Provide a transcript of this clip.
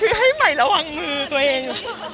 คือให้ใหม่ระวังมือตัวเอง